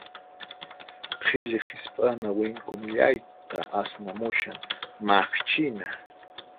Qhilli hisp'ana winku millayta asnamushan, maqchina.